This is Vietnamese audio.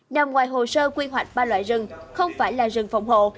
nằm ngoài hồ sơ quy hoạch ba loại rừng không phải là rừng phòng hộ